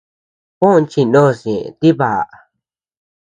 Juóm chinos ñeʼe tibaʼa.